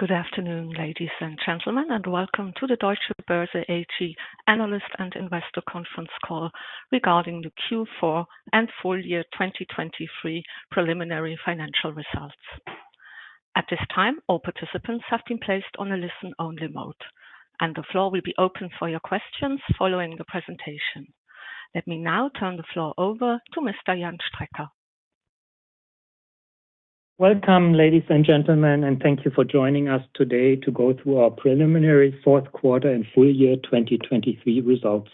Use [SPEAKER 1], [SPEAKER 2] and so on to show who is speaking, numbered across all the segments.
[SPEAKER 1] Good afternoon, ladies and gentlemen, and welcome to the Deutsche Börse AG Analyst and Investor Conference Call regarding the Q4 and full year 2023 preliminary financial results. At this time, all participants have been placed on a listen-only mode, and the floor will be open for your questions following the presentation. Let me now turn the floor over to Mr. Jan Strecker.
[SPEAKER 2] Welcome, ladies and gentlemen, and thank you for joining us today to go through our preliminary Q4 and full year 2023 results.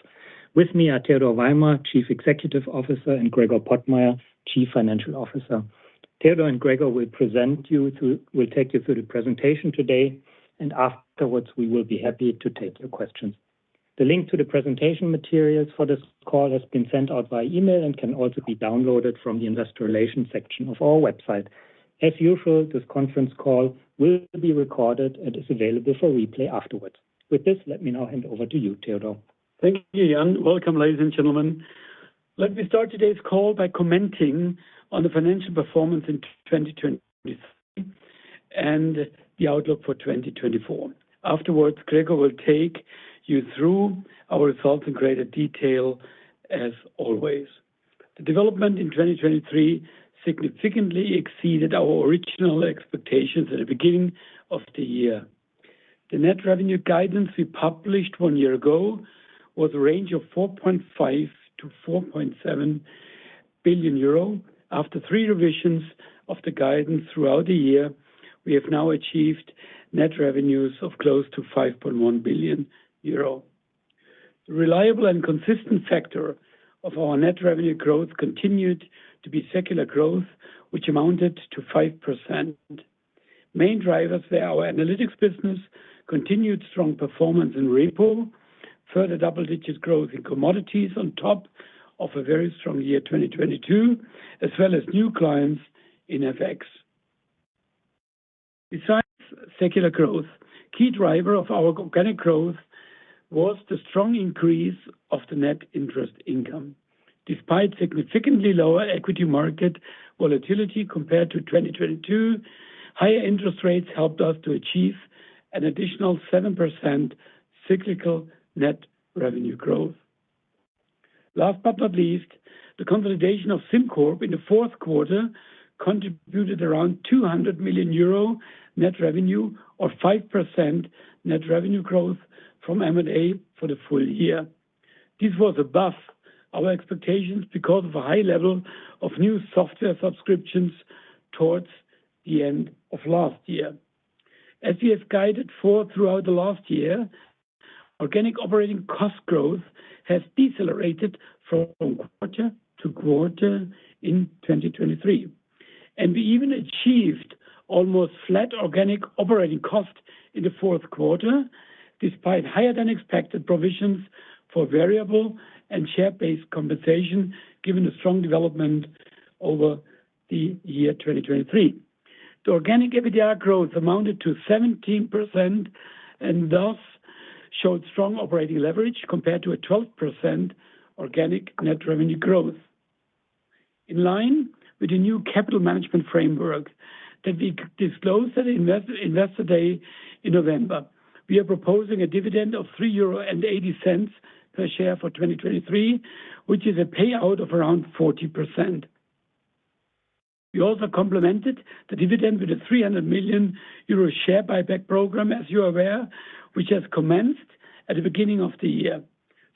[SPEAKER 2] With me are Theodor Weimer, Chief Executive Officer, and Gregor Pottmeyer, Chief Financial Officer. Theodor and Gregor will take you through the presentation today, and afterwards, we will be happy to take your questions. The link to the presentation materials for this call has been sent out by email and can also be downloaded from the Investor Relations section of our website. As usual, this conference call will be recorded and is available for replay afterwards. With this, let me now hand over to you, Theodor.
[SPEAKER 3] Thank you, Jan. Welcome, ladies and gentlemen. Let me start today's call by commenting on the financial performance in 2023 and the outlook for 2024. Afterwards, Gregor will take you through our results in greater detail, as always. The development in 2023 significantly exceeded our original expectations at the beginning of the year. The net revenue guidance we published one year ago was a range of 4.5 billion-4.7 billion euro. After three revisions of the guidance throughout the year, we have now achieved net revenues of close to 5.1 billion euro. The reliable and consistent factor of our net revenue growth continued to be secular growth, which amounted to 5%. Main drivers were our analytics business, continued strong performance in repo, further double-digit growth in commodities on top of a very strong year 2022, as well as new clients in FX. Besides secular growth, key driver of our organic growth was the strong increase of the net interest income. Despite significantly lower equity market volatility compared to 2022, higher interest rates helped us to achieve an additional 7% cyclical net revenue growth. Last but not least, the consolidation of SimCorp in the Q4 contributed around 200 million euro net revenue or 5% net revenue growth from M&A for the full year. This was above our expectations because of a high level of new software subscriptions towards the end of last year. As we have guided for throughout the last year, organic operating cost growth has decelerated from quarter to quarter in 2023, and we even achieved almost flat organic operating cost in the Q4, despite higher than expected provisions for variable and share-based compensation, given the strong development over the year 2023. The organic EBITDA growth amounted to 17% and thus showed strong operating leverage compared to a 12% organic net revenue growth. In line with the new capital management framework that we disclosed at Investor Day in November, we are proposing a dividend of 3.80 euro per share for 2023, which is a payout of around 40%. We also complemented the dividend with a 300 million euro share buyback program, as you are aware, which has commenced at the beginning of the year.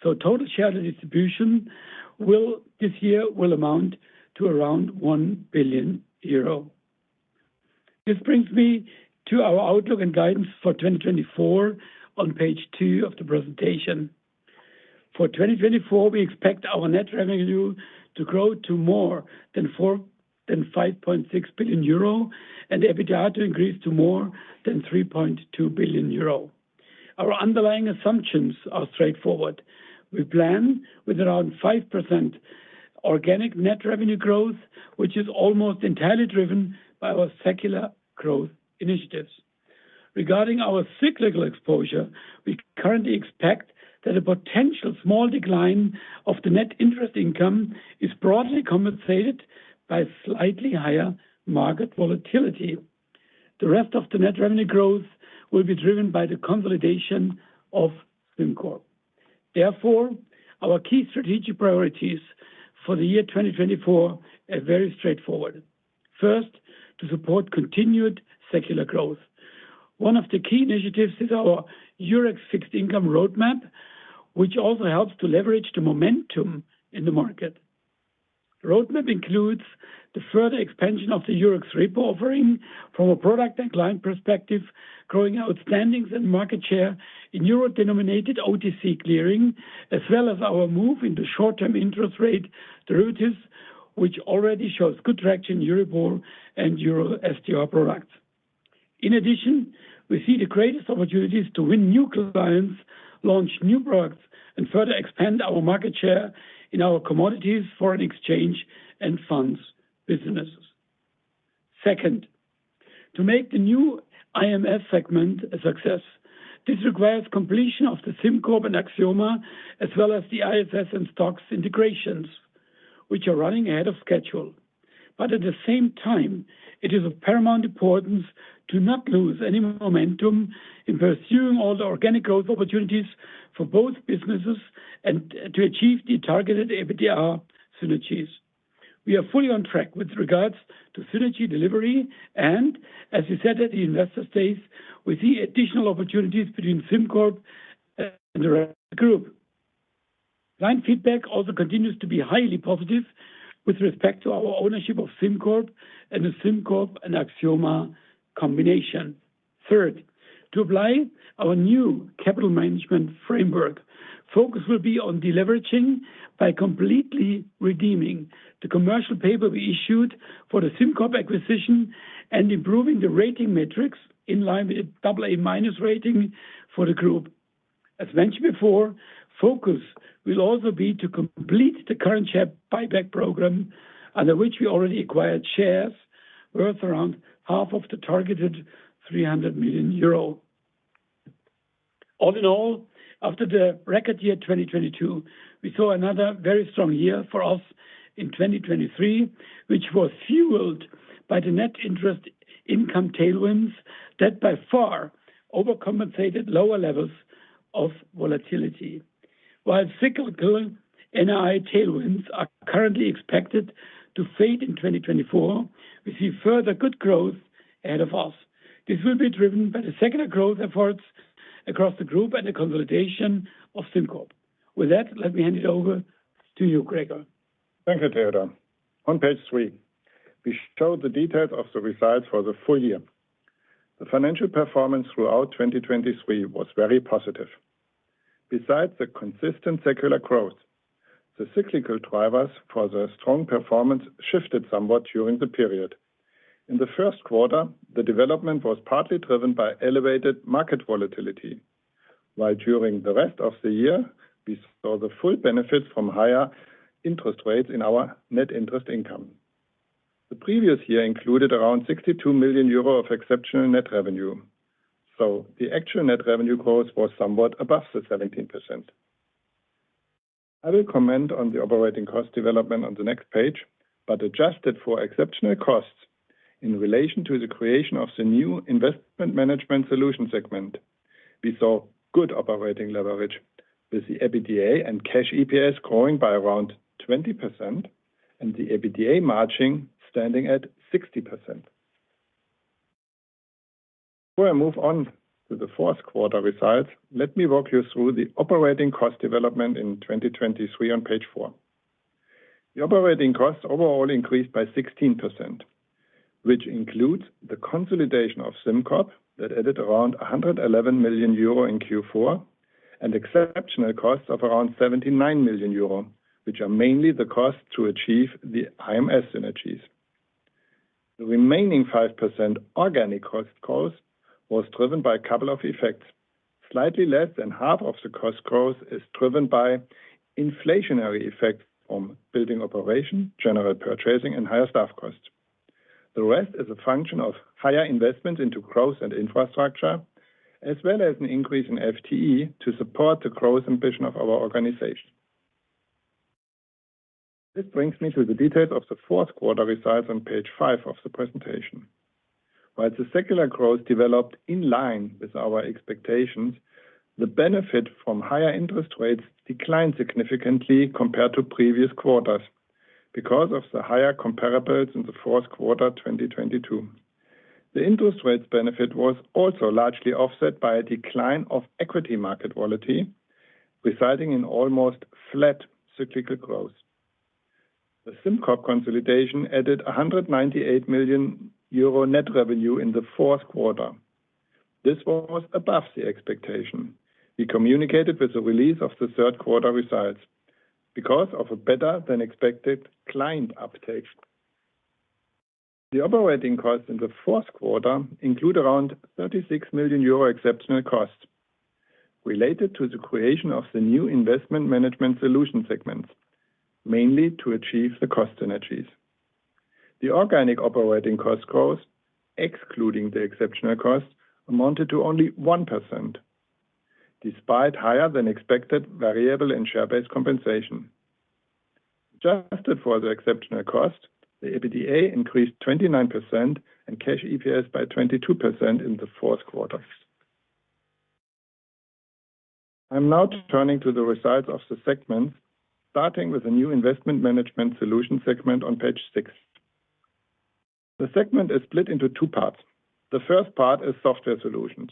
[SPEAKER 3] So total shareholder distribution will this year will amount to around 1 billion euro. This brings me to our outlook and guidance for 2024 on page two of the presentation. For 2024, we expect our net revenue to grow to more than 4 than 5.6 billion euro and EBITDA to increase to more than 3.2 billion euro. Our underlying assumptions are straightforward. We plan with around 5% organic net revenue growth, which is almost entirely driven by our secular growth initiatives. Regarding our cyclical exposure, we currently expect that a potential small decline of the net interest income is broadly compensated by slightly higher market volatility. The rest of the net revenue growth will be driven by the consolidation of SimCorp. Therefore, our key strategic priorities for the year 2024 are very straightforward. First, to support continued secular growth. One of the key initiatives is our Eurex fixed income roadmap, which also helps to leverage the momentum in the market. Roadmap includes the further expansion of the Eurex repo offering from a product and client perspective, growing outstandings and market share in euro-denominated OTC clearing, as well as our move into short-term interest rate derivatives, which already shows good traction in Eurobond and EuroSTR products. In addition, we see the greatest opportunities to win new clients, launch new products, and further expand our market share in our commodities, foreign exchange, and funds businesses. Second, to make the new IMS segment a success, this requires completion of the SimCorp and Axioma, as well as the ISS and STOXX integrations which are running ahead of schedule. But at the same time, it is of paramount importance to not lose any momentum in pursuing all the organic growth opportunities for both businesses and to achieve the targeted EBITDA synergies. We are fully on track with regards to synergy delivery, and as we said at the investor stage, we see additional opportunities between SimCorp and the rest of the group. Client feedback also continues to be highly positive with respect to our ownership of SimCorp and the SimCorp and Axioma combination. Third, to apply our new capital management framework, focus will be on deleveraging by completely redeeming the commercial paper we issued for the SimCorp acquisition and improving the rating metrics in line with AA minus rating for the group. As mentioned before, focus will also be to complete the current share buyback program, under which we already acquired shares worth around half of the targeted 300 million euro. All in all, after the record year 2022, we saw another very strong year for us in 2023, which was fueled by the net interest income tailwinds that by far overcompensated lower levels of volatility. While cyclical NII tailwinds are currently expected to fade in 2024, we see further good growth ahead of us. This will be driven by the secular growth efforts across the group and the consolidation of SimCorp. With that, let me hand it over to you, Gregor.
[SPEAKER 4] Thank you, Theodor. On page three, we show the details of the results for the full year. The financial performance throughout 2023 was very positive. Besides the consistent secular growth, the cyclical drivers for the strong performance shifted somewhat during the period. In the first quarter, the development was partly driven by elevated market volatility, while during the rest of the year, we saw the full benefits from higher interest rates in our net interest income. The previous year included around 62 million euro of exceptional net revenue, so the actual net revenue growth was somewhat above the 17%. I will comment on the operating cost development on the next page, but adjusted for exceptional costs in relation to the creation of the new investment management solution segment. We saw good operating leverage, with the EBITDA and cash EPS growing by around 20% and the EBITDA margin standing at 60%. Before I move on to the Q4 results, let me walk you through the operating cost development in 2023 on page four. The operating costs overall increased by 16%, which includes the consolidation of SimCorp, that added around 111 million euro in Q4, and exceptional costs of around 79 million euro, which are mainly the cost to achieve the IMS synergies. The remaining 5% organic cost cost was driven by a couple of effects. Slightly less than half of the cost growth is driven by inflationary effects from building operation, general purchasing, and higher staff costs. The rest is a function of higher investment into growth and infrastructure, as well as an increase in FTE to support the growth ambition of our organization. This brings me to the details of the Q4 results on page 5 of the presentation. While the secular growth developed in line with our expectations, the benefit from higher interest rates declined significantly compared to previous quarters because of the higher comparable in the Q4, 2022. The interest rates benefit was also largely offset by a decline of equity market volatility, resulting in almost flat cyclical growth. The SimCorp consolidation added 198 million euro net revenue in the Q4. This was above the expectation. We communicated with the release of the third quarter results because of a better-than-expected client uptake. The operating costs in the Q4 include around 36 million euro exceptional costs related to the creation of the new investment management solution segments, mainly to achieve the cost synergies. The organic operating costs, excluding the exceptional costs, amounted to only 1%, despite higher-than-expected variable and share-based compensation. Adjusted for the exceptional cost, the EBITDA increased 29% and cash EPS by 22% in the Q4. I'm now turning to the results of the segments, starting with the new investment management solution segment on page 6. The segment is split into two parts. The first part is software solutions,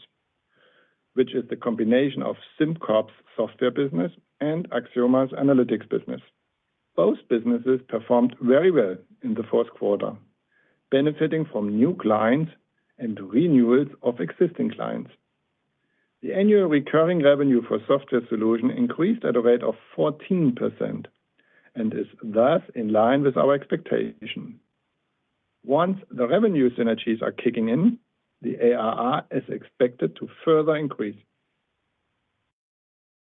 [SPEAKER 4] which is the combination of SimCorp's software business and Axioma's analytics business. Both businesses performed very well in the Q4, benefiting from new clients and renewals of existing clients. The annual recurring revenue for software solution increased at a rate of 14% and is thus in line with our expectation. Once the revenue synergies are kicking in, the ARR is expected to further increase.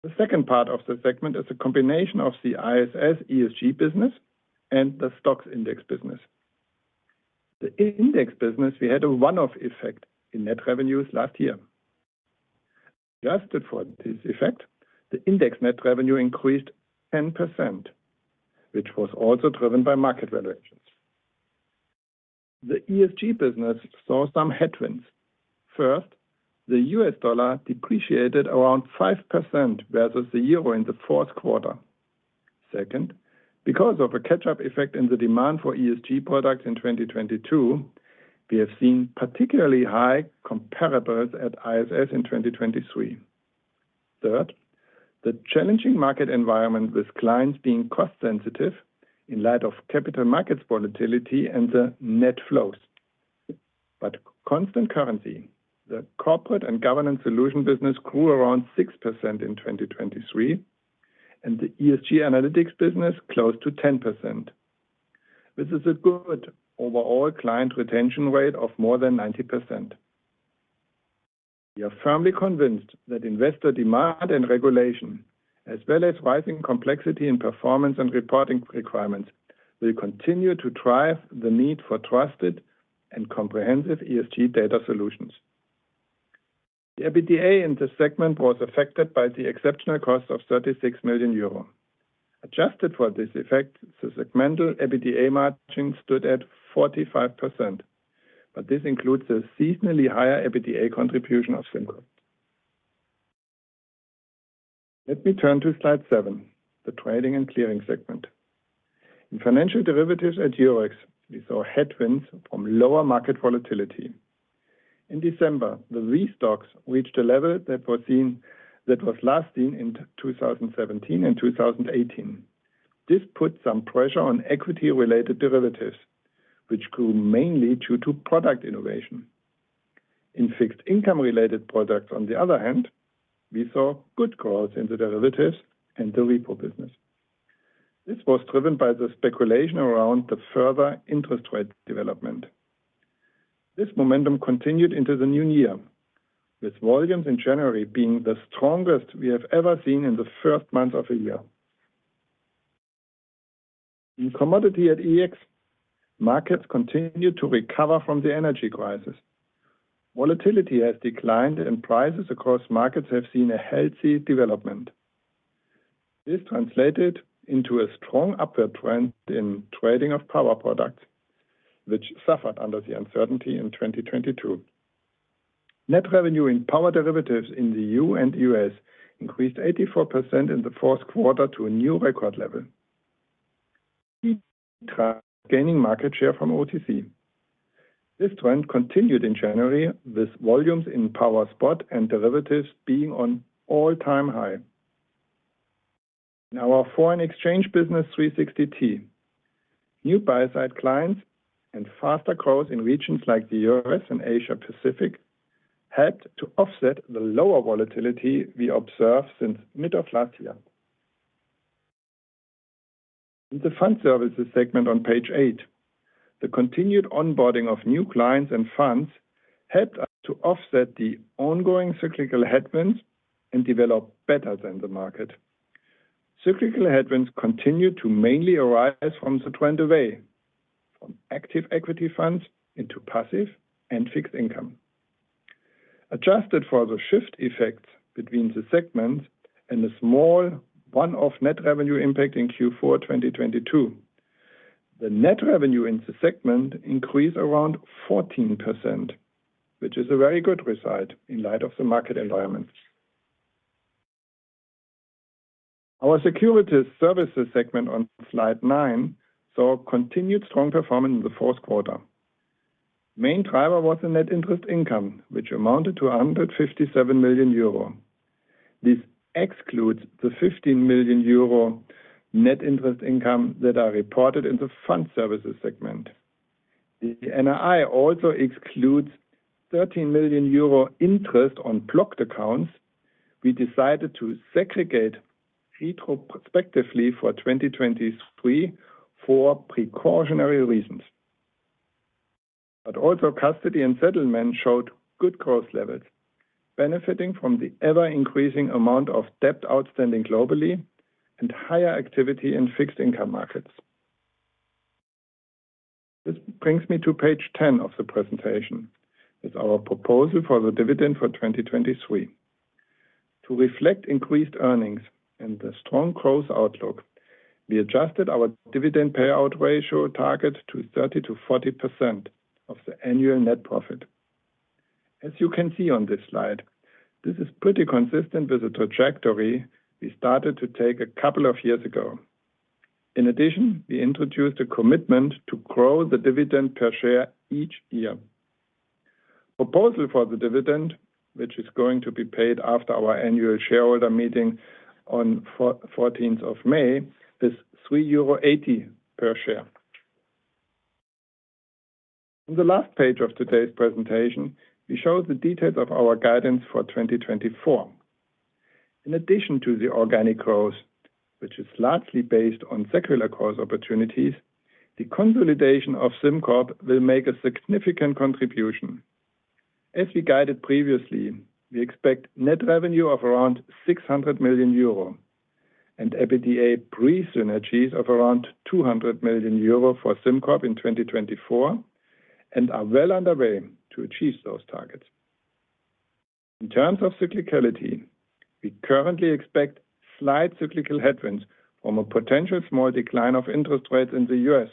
[SPEAKER 4] The second part of the segment is a combination of the ISS ESG business and the STOXX index business. The index business, we had a one-off effect in net revenues last year, adjusted for this effect, the index net revenue increased 10%, which was also driven by market valuations. The ESG business saw some headwinds. First, the US dollar depreciated around 5% versus the euro in the Q4. Second, because of a catch-up effect in the demand for ESG products in 2022, we have seen particularly high comparable at ISS in 2023. Third, the challenging market environment, with clients being cost sensitive in light of capital markets volatility and the net flows. But constant currency, the corporate and governance solution business grew around 6% in 2023, and the ESG analytics business, close to 10%. This is a good overall client retention rate of more than 90%. We are firmly convinced that investor demand and regulation, as well as rising complexity in performance and reporting requirements, will continue to drive the need for trusted and comprehensive ESG data solutions. The EBITDA in this segment was affected by the exceptional cost of 36 million euro. Adjusted for this effect, the segmental EBITDA margin stood at 45%, but this includes a seasonally higher EBITDA contribution of SimCorp. Let me turn to slide seven, the trading and clearing segment. In financial derivatives at Eurex, we saw headwinds from lower market volatility. In December, the STOXX reached a level that was last seen in 2017 and 2018. This put some pressure on equity-related derivatives, which grew mainly due to product innovation. In fixed income-related products, on the other hand, we saw good growth in the derivatives and the repo business. This was driven by the speculation around the further interest rate development. This momentum continued into the new year, with volumes in January being the strongest we have ever seen in the first month of a year. In commodities at EEX, markets continued to recover from the energy crisis. Volatility has declined, and prices across markets have seen a healthy development. This translated into a strong upward trend in trading of power products, which suffered under the uncertainty in 2022. Net revenue in power derivatives in the EU and US increased 84% in the Q4 to a new record level, gaining market share from OTC. This trend continued in January, with volumes in power spot and derivatives being at an all-time high. In our foreign exchange business, 360T, new buy-side clients and faster growth in regions like the US and Asia Pacific, helped to offset the lower volatility we observed since mid of last year. In the fund services segment on page 8, the continued onboarding of new clients and funds helped us to offset the ongoing cyclical headwinds and develop better than the market. Cyclical headwinds continued to mainly arise from the trend away from active equity funds into passive and fixed income. Adjusted for the shift effects between the segments and the small one-off net revenue impact in Q4 2022, the net revenue in the segment increased around 14%, which is a very good result in light of the market environment. Our securities services segment on slide 9, saw continued strong performance in the Q4. Main driver was the net interest income, which amounted to 157 million euro. This excludes the 15 million euro net interest income that are reported in the fund services segment. The NII also excludes 13 million euro interest on blocked accounts we decided to segregate retrospectively for 2023 for precautionary reasons. But also, custody and settlement showed good growth levels, benefiting from the ever-increasing amount of debt outstanding globally and higher activity in fixed income markets. This brings me to page 10 of the presentation. It's our proposal for the dividend for 2023. To reflect increased earnings and the strong growth outlook, we adjusted our dividend payout ratio target to 30%-40% of the annual net profit. As you can see on this slide, this is pretty consistent with the trajectory we started to take a couple of years ago. In addition, we introduced a commitment to grow the dividend per share each year. Proposal for the dividend, which is going to be paid after our annual shareholder meeting on 14th of May, is 3.80 euro per share. On the last page of today's presentation, we show the details of our guidance for 2024. In addition to the organic growth, which is largely based on secular growth opportunities, the consolidation of SimCorp will make a significant contribution. As we guided previously, we expect net revenue of around 600 million euro, and EBITDA pre synergies of around 200 million euro for SimCorp in 2024, and are well underway to achieve those targets. In terms of cyclicality, we currently expect slight cyclical headwinds from a potential small decline of interest rates in the U.S.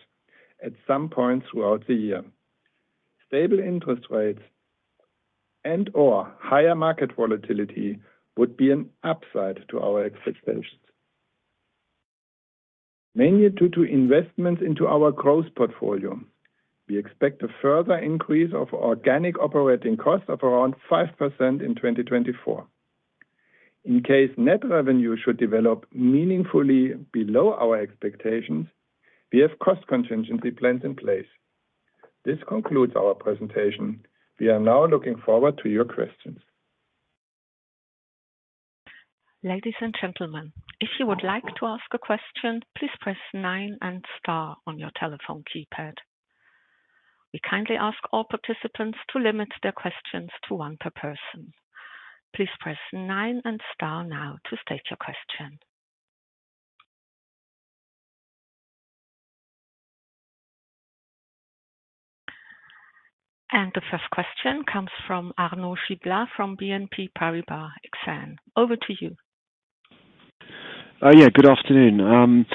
[SPEAKER 4] at some point throughout the year. Stable interest rates and or higher market volatility would be an upside to our expectations. Mainly due to investments into our growth portfolio, we expect a further increase of organic operating costs of around 5% in 2024. In case net revenue should develop meaningfully below our expectations, we have cost contingency plans in place. This concludes our presentation. We are now looking forward to your questions.
[SPEAKER 1] Ladies and gentlemen, if you would like to ask a question, please press nine and star on your telephone keypad. We kindly ask all participants to limit their questions to one per person. Please press nine and star now to state your question. The first question comes from Arnaud Giblat, from BNP Paribas Exane. Over to you.
[SPEAKER 5] Yeah, good afternoon.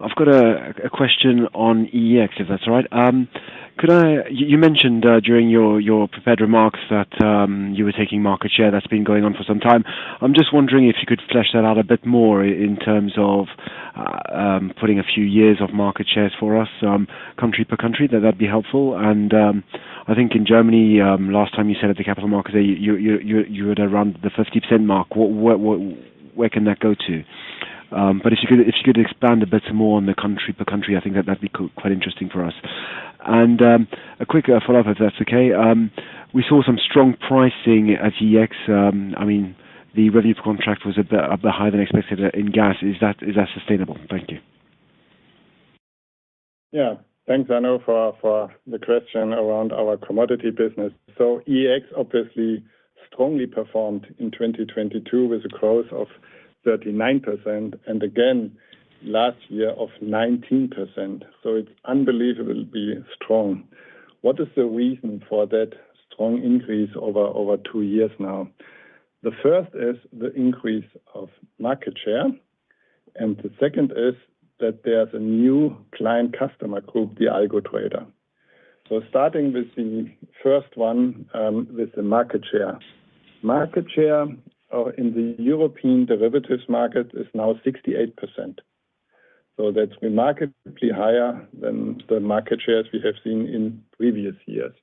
[SPEAKER 5] I've got a question on EEX, if that's all right. Could I-- you mentioned during your prepared remarks that you were taking market share, that's been going on for some time. I'm just wondering if you could flesh that out a bit more in terms of putting a few years of market shares for us, country per country. That'd be helpful. And I think in Germany, last time you said at the capital market, you were at around the 50% mark. What-- where can that go to? But if you could expand a bit more on the country per country, I think that'd be quite interesting for us. And a quick follow-up, if that's okay. We saw some strong pricing at EEX. I mean, the revenue per contract was a bit higher than expected in gas. Is that sustainable? Thank you.
[SPEAKER 4] Yeah. Thanks, Arnaud, for, for the question around our commodity business. So EEX obviously strongly performed in 2022 with a growth of 39%, and again, last year of 19%. So it's unbelievably strong. What is the reason for that strong increase over, over two years now? The first is the increase of market share, and the second is that there's a new client customer group, the algo trader. So starting with the first one, with the market share. Market share, in the European derivatives market is now 68%. So that's remarkably higher than the market shares we have seen in previous years.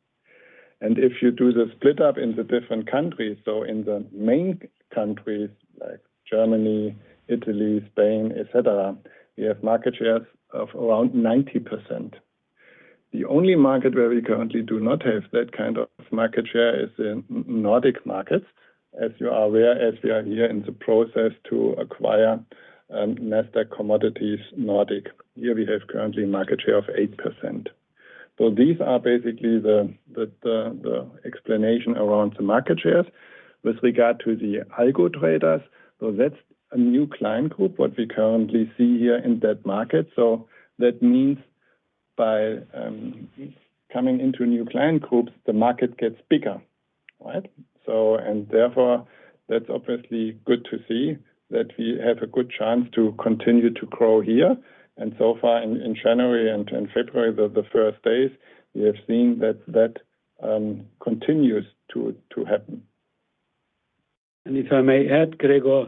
[SPEAKER 4] And if you do the split up in the different countries, so in the main countries like Germany, Italy, Spain, et cetera, we have market shares of around 90%. The only market where we currently do not have that kind of market share is in Nordic markets. As you are aware, as we are here in the process to acquire Nasdaq Commodities Nordic. Here we have currently a market share of 8%. So these are basically the explanation around the market shares. With regard to the algo traders, so that's a new client group, what we currently see here in that market. So that means by coming into new client groups, the market gets bigger, right? So and therefore, that's obviously good to see that we have a good chance to continue to grow here. And so far in January and in February, the first days, we have seen that that continues to happen.
[SPEAKER 3] And if I may add, Gregor,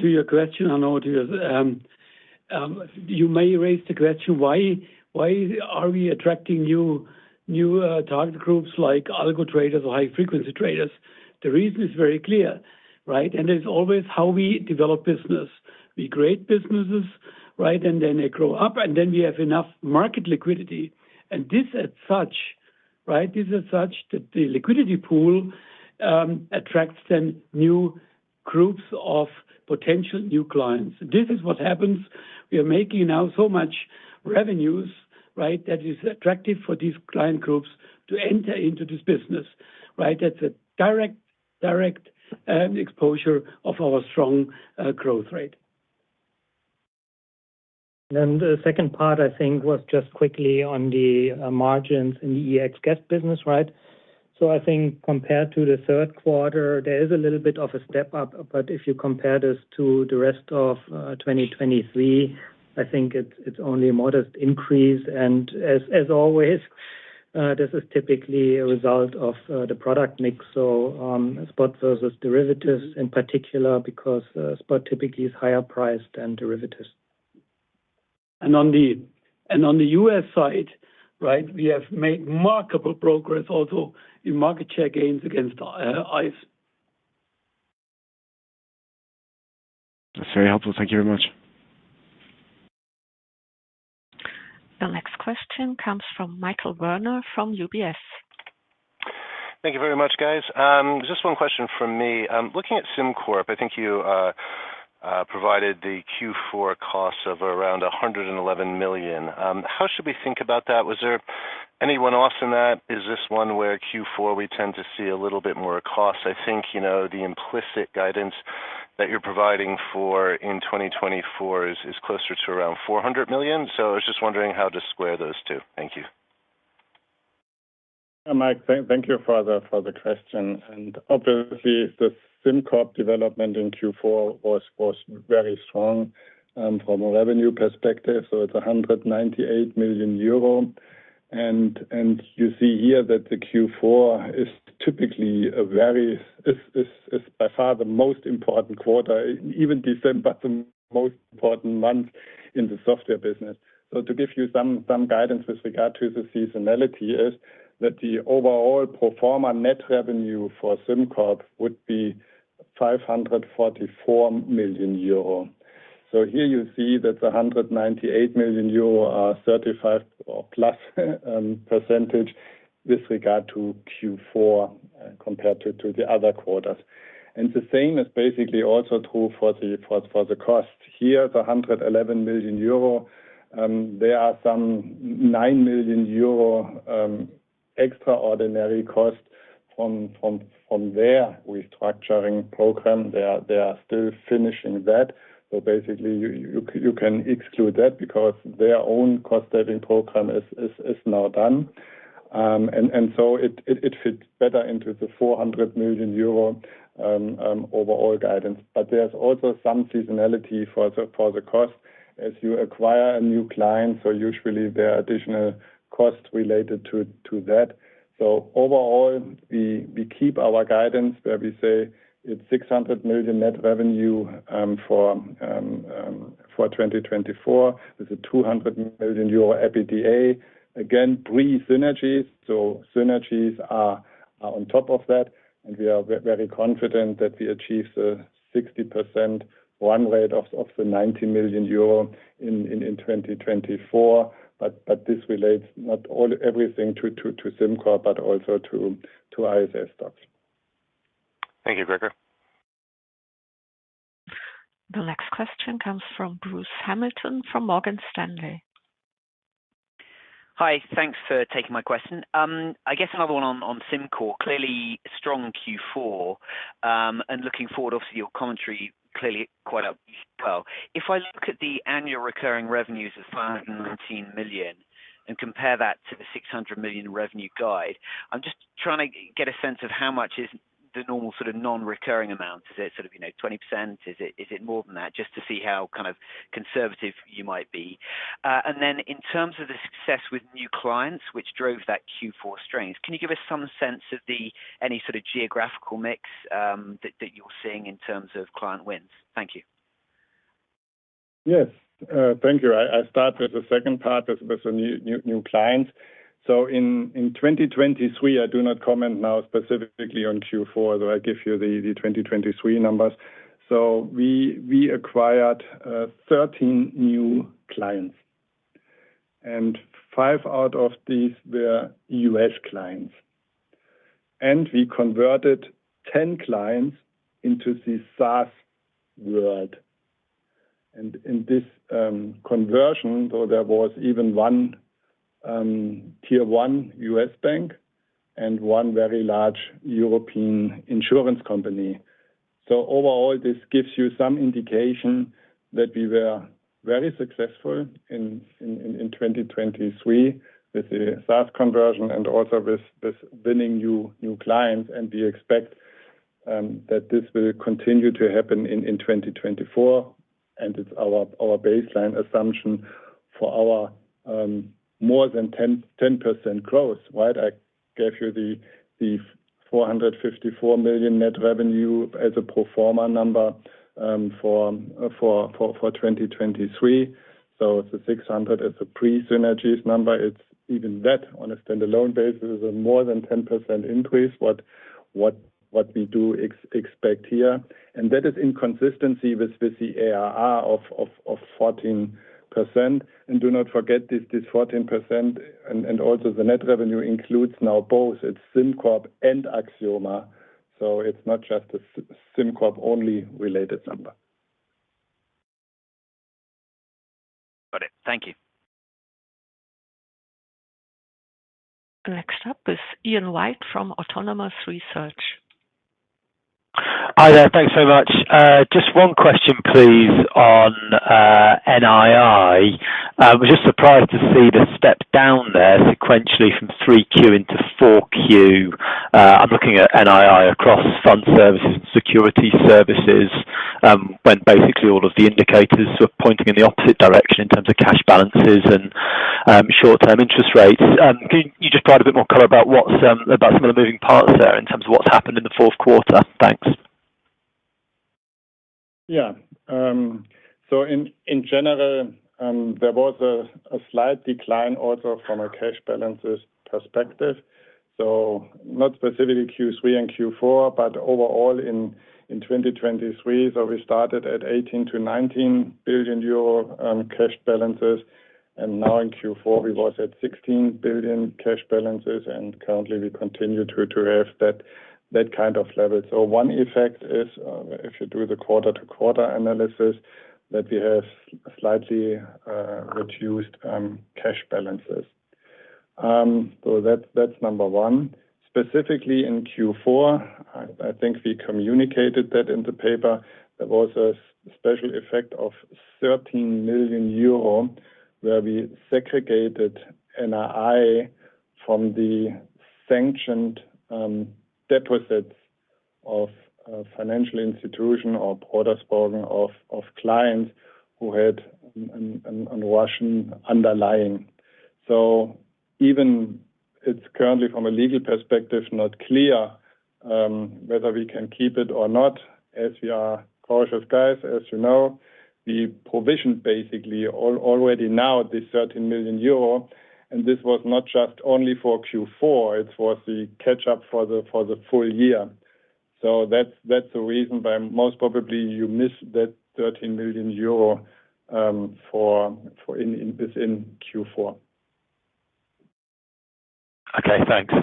[SPEAKER 3] to your question, Arnaud, you may raise the question, why are we attracting new target groups like algo traders or high frequency traders? The reason is very clear, right? And it's always how we develop business. We create businesses, right? And then they grow up, and then we have enough market liquidity. And this as such, right, that the liquidity pool attracts then new groups of potential new clients. This is what happens. We are making now so much revenues, right, that is attractive for these client groups to enter into this business, right? That's a direct exposure of our strong growth rate.
[SPEAKER 4] The second part, I think, was just quickly on the margins in the EEX gas business, right? So I think compared to the third quarter, there is a little bit of a step up, but if you compare this to the rest of 2023, I think it's only a modest increase. As always, this is typically a result of the product mix, so spot versus derivatives in particular, because spot typically is higher priced than derivatives.
[SPEAKER 3] And on the US side, right, we have made remarkable progress also in market share gains against ICE.
[SPEAKER 5] That's very helpful. Thank you very much.
[SPEAKER 1] The next question comes from Michael Werner, from UBS.
[SPEAKER 6] Thank you very much, guys. Just one question from me. Looking at SimCorp, I think you provided the Q4 costs of around 111 million. How should we think about that? Was there-... Anyone off in that? Is this one where Q4, we tend to see a little bit more cost? I think, you know, the implicit guidance that you're providing for in 2024 is, is closer to around 400 million. So I was just wondering how to square those two. Thank you.
[SPEAKER 4] Mike, thank you for the question. And obviously, the SimCorp development in Q4 was very strong from a revenue perspective, so it's 198 million euro. And you see here that Q4 is typically by far the most important quarter, even December, the most important month in the software business. So to give you some guidance with regard to the seasonality is that the overall pro forma net revenue for SimCorp would be 544 million euro. So here you see that the 198 million euro are 35% or plus percentage with regard to Q4 compared to the other quarters. And the same is basically also true for the cost. Here, the 111 million euro, there are some 9 million euro extraordinary costs from their restructuring program. They are still finishing that. So basically, you can exclude that because their own cost-saving program is now done. And so it fits better into the 400 million euro overall guidance. But there's also some seasonality for the cost. As you acquire a new client, so usually there are additional costs related to that. So overall, we keep our guidance where we say it's 600 million net revenue for 2024. It's a 200 million euro EBITDA. Again, pre-synergies, so synergies are on top of that, and we are very confident that we achieve a 60% run rate of the 90 million euro in 2024. But this relates not all - everything to SimCorp, but also to ISS STOXX.
[SPEAKER 6] Thank you, Gregor.
[SPEAKER 1] The next question comes from Bruce Hamilton, from Morgan Stanley.
[SPEAKER 7] Hi, thanks for taking my question. I guess another one on SimCorp. Clearly, strong Q4, and looking forward, obviously, your commentary clearly quite upbeat. If I look at the annual recurring revenues of 519 million and compare that to the 600 million revenue guide, I'm just trying to get a sense of how much is the normal sort of nonrecurring amount. Is it sort of, you know, 20%? Is it more than that? Just to see how kind of conservative you might be. And then in terms of the success with new clients, which drove that Q4 strength, can you give us some sense of any sort of geographical mix that you're seeing in terms of client wins? Thank you.
[SPEAKER 4] Yes. Thank you. I start with the second part with the new clients. So in 2023, I do not comment now specifically on Q4, though I give you the 2023 numbers. So we acquired 13 new clients, and five out of these were US clients. And we converted 10 clients into the SaaS world. And in this conversion, so there was even one tier one US bank and one very large European insurance company. So overall, this gives you some indication that we were very successful in 2023 with the SaaS conversion and also with winning new clients. And we expect that this will continue to happen in 2024, and it's our baseline assumption for our more than 10% growth, right? I gave you the 454 million net revenue as a pro forma number for 2023. So the 600 is a pre-synergies number. It's even that on a standalone basis is a more than 10% increase. What we do expect here, and that is in consistency with the ARR of 14%. And do not forget this 14%, and also the net revenue includes now both its SimCorp and Axioma. So it's not just a SimCorp only related number.
[SPEAKER 7] Got it. Thank you.
[SPEAKER 1] Next up is Ian White from Autonomous Research.
[SPEAKER 8] Hi there. Thanks so much. Just one question, please, on NII. I was just surprised to see the step down there sequentially from 3Q into 4Q. I'm looking at NII across fund services and security services, when basically all of the indicators are pointing in the opposite direction in terms of cash balances and short-term interest rates. Can you just provide a bit more color about what's about some of the moving parts there in terms of what's happened in the Q4? Thanks.
[SPEAKER 4] Yeah. So in general, there was a slight decline also from a cash balances perspective. So not specifically Q3 and Q4, but overall in 2023. So we started at 18 billion-19 billion euro cash balances, and now in Q4, we was at 16 billion cash balances, and currently, we continue to have that kind of level. So one effect is, if you do the quarter-to-quarter analysis, that we have slightly reduced cash balances. So that's number one. Specifically in Q4, I think we communicated that in the paper, there was a special effect of 13 million euro, where we segregated NII from the sanctioned deposits of financial institution or products of clients who had a Russian underlying. So even it's currently, from a legal perspective, not clear whether we can keep it or not. As we are cautious guys, as you know, we provisioned basically already now this 13 million euro, and this was not just only for Q4, it was the catch-up for the full year. So that's the reason why most probably you missed that EUR 13 million within Q4.
[SPEAKER 8] Okay, thanks.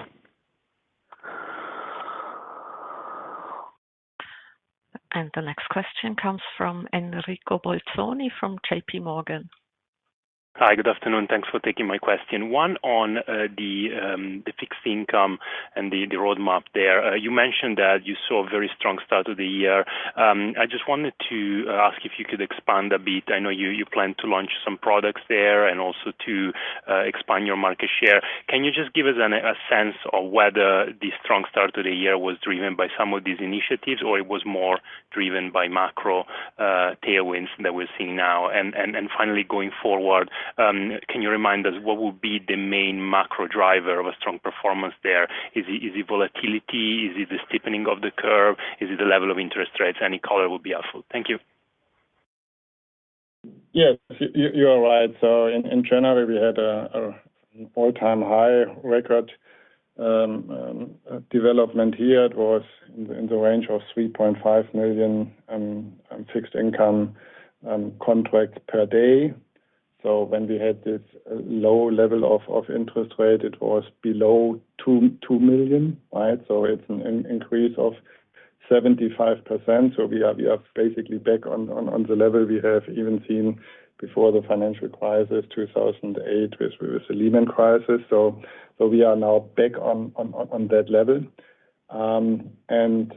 [SPEAKER 1] The next question comes from Enrico Bolzoni from JP Morgan.
[SPEAKER 9] Hi. Good afternoon. Thanks for taking my question. One on the fixed income and the roadmap there. You mentioned that you saw a very strong start of the year. I just wanted to ask if you could expand a bit. I know you plan to launch some products there and also to expand your market share. Can you just give us a sense of whether the strong start to the year was driven by some of these initiatives, or it was more driven by macro tailwinds that we're seeing now? And finally, going forward, can you remind us what would be the main macro driver of a strong performance there? Is it volatility? Is it the steepening of the curve? Is it the level of interest rates? Any color will be helpful. Thank you.
[SPEAKER 4] Yes, you are right. So in January, we had a all-time high record development here. It was in the range of 3.5 million fixed income contracts per day. So when we had this low level of interest rate, it was below 2 million, right? So it's an increase of 75%. So we are basically back on the level we have even seen before the financial crisis, 2008, with the Lehman crisis. So we are now back on that level. And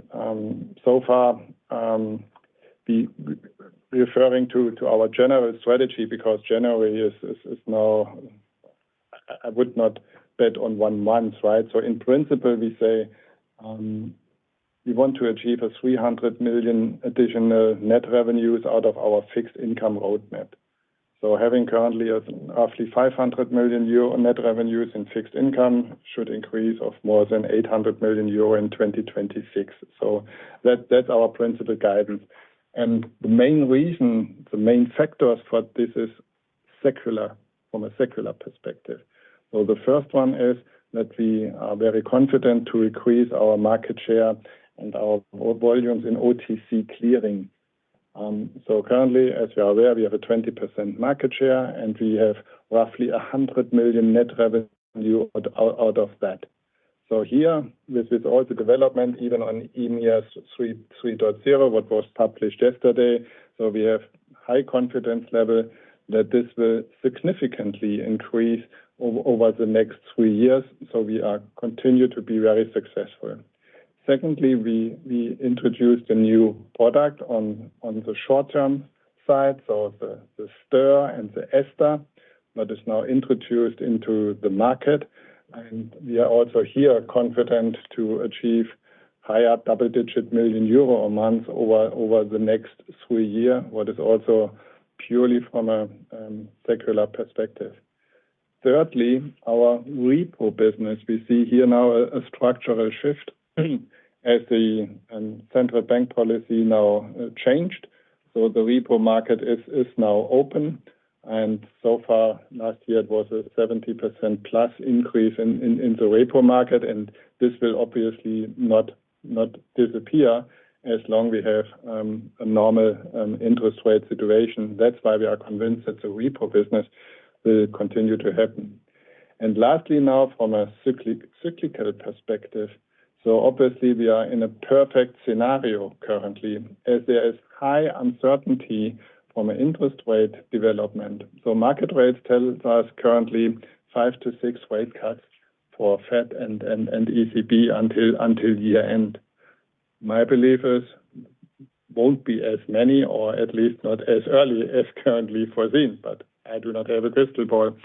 [SPEAKER 4] so far, we referring to our general strategy, because January is now... I would not bet on one month, right? So in principle, we say, we want to achieve 300 million additional net revenues out of our fixed income roadmap. So having currently a roughly 500 million euro net revenues in fixed income should increase of more than 800 million euro in 2026. So that, that's our principal guidance. And the main reason, the main factors for this is secular, from a secular perspective. So the first one is that we are very confident to increase our market share and our volumes in OTC clearing. So currently, as you are aware, we have a 20% market share, and we have roughly a 100 million net revenue out of that. So here, with all the development, even on EMIR 3.0, what was published yesterday, so we have high confidence level that this will significantly increase over the next three years. So we are continue to be very successful. Secondly, we introduced a new product on the short-term side, so the STIR and the €STR, that is now introduced into the market. And we are also here confident to achieve higher double-digit million EUR a month over the next three year, what is also purely from a secular perspective. Thirdly, our repo business. We see here now a structural shift, as the central bank policy now changed. So the repo market is now open, and so far, last year it was a 70%+ increase in the repo market, and this will obviously not disappear as long we have a normal interest rate situation. That's why we are convinced that the repo business will continue to happen. And lastly, now, from a cyclical perspective, so obviously we are in a perfect scenario currently, as there is high uncertainty from an interest rate development. So market rates tell us currently 5-6 rate cuts for Fed and ECB until year-end. My belief is won't be as many, or at least not as early as currently foreseen, but I do not have a crystal ball.